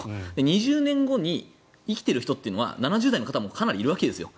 ２０年後に生きている人というのは７０代の方もかなりいるわけですよ。